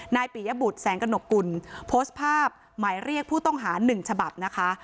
ปิยบุตรแสงกระหนกกุลโพสต์ภาพหมายเรียกผู้ต้องหาหนึ่งฉบับนะคะ